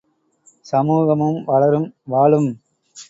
சமூகமும் வளரும், வாழும்!